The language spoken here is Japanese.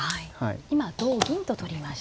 今同銀と取りました。